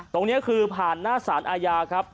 ตรงนี้คือผ่านหน้าสารอาญาครับ